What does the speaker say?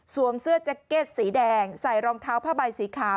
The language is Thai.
เสื้อแจ็คเก็ตสีแดงใส่รองเท้าผ้าใบสีขาว